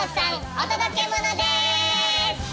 お届けモノです！